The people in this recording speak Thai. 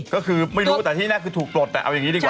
ก็คือไม่รู้แต่ที่แน่คือถูกปลดแต่เอาอย่างนี้ดีกว่า